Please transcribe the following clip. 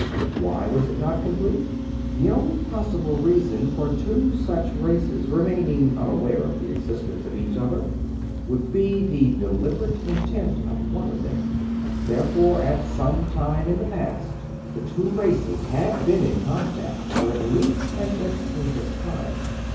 Why was it not complete? The only possible reason for two such races remaining unaware of the existence of each other would be the deliberate intent of one of them. Therefore, at some time in the past, the two races had been in contact for at least an instant of time.